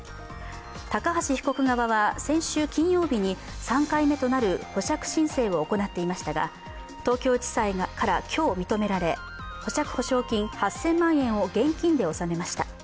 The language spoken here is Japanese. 高橋被告側は先週金曜日に３回目となる保釈申請を行っていましたが東京地裁から今日認められ保釈保証金８０００万円を現金で納めました。